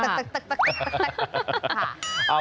ตั๊ก